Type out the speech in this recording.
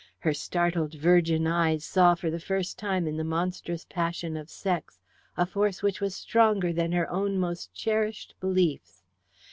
Her startled virgin eyes saw for the first time in the monstrous passion of sex a force which was stronger than her own most cherished beliefs.